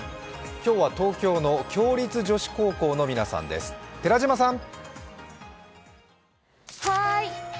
今日は東京の共立女子高校の皆さんです、寺嶋さん。